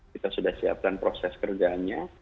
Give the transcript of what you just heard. kita sudah siapkan proses kerjanya